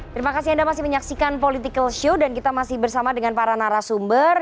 terima kasih anda masih menyaksikan political show dan kita masih bersama dengan para narasumber